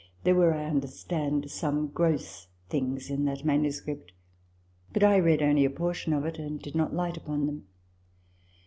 There were, I understand, some gross things in that manuscript ; but I read only a portion of it, and did not light upon them.